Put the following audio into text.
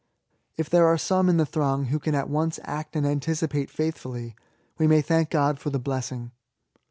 If there are some in the throng who can at once act and anticipate faithfully, we may thank God for the blessing.